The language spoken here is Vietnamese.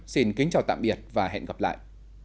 xin kính chào tạm biệt và hẹn gặp lại